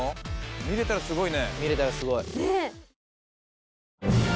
見れたらすごいね。